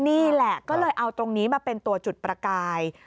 นี่แหละก็เลยเอาตรงนี้มาเป็นตัวจุดประกาย